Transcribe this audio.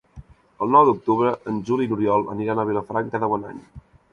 El nou d'octubre en Juli i n'Oriol aniran a Vilafranca de Bonany.